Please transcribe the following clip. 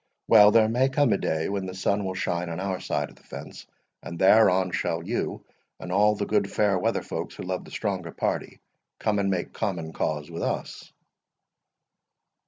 Well, there may come a day when the sun will shine on our side of the fence, and thereon shall you, and all the good fair weather folks who love the stronger party, come and make common cause with us."